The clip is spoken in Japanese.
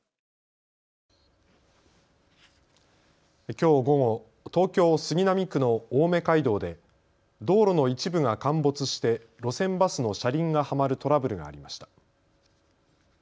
きょう午後、東京杉並区の青梅街道で道路の一部が陥没して路線バスの車輪がはまるトラブルがありました。